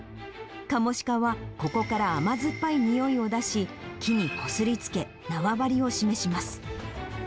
カモシカはここから甘酸っぱいにおいを出し、木にこすりつけ、縄張りを示します。